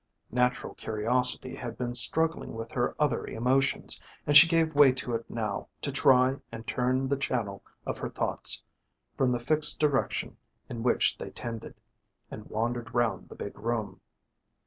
Natural curiosity had been struggling with her other emotions, and she gave way to it now to try and turn the channel of her thoughts from the fixed direction in which they tended, and wandered round the big room.